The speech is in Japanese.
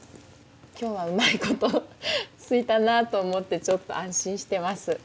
今日はうまい事ついたなあと思ってちょっと安心してます。